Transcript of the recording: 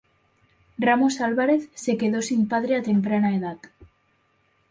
Ramos Álvarez quedó sin padre a temprana edad.